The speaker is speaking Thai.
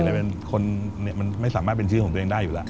แต่เป็นคนมันไม่สามารถเป็นชื่อของตัวเองได้อยู่แล้ว